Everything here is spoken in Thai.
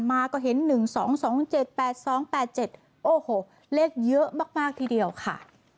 มาก็เห็นหนึ่งสองสองเจ็ดแปดสองแปดเจ็ดโอ้โหเลขเยอะมากมากทีเดียวค่ะ